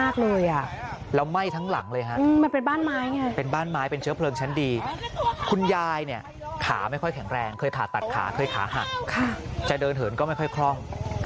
แข็งแรงเคยผ่าตัดขาเคยขาหักจะเดินเหินก็ไม่ค่อยคล่อง